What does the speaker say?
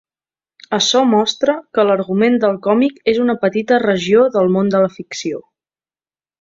Açò mostra que l'argument del còmic és una petita regió del món de la ficció.